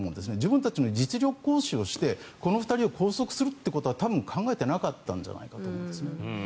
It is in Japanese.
自分たちの実力行使をしてこの２人を拘束するということは考えていなかったんじゃないかと思います。